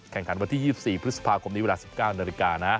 วันที่๒๔พฤษภาคมนี้เวลา๑๙นาฬิกานะ